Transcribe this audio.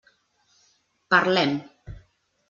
Parlem.